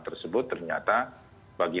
tersebut ternyata bagi